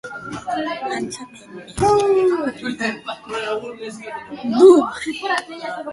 Antza denez, umeak ito eta bere buruaz beste egiten saiatu da.